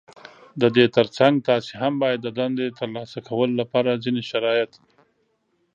د دې تر څنګ تاسې هم بايد د دندې ترلاسه کولو لپاره ځينې شرايط